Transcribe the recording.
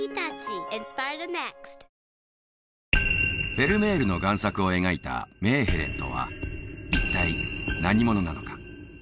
フェルメールの贋作を描いたメーヘレンとは一体何者なのか？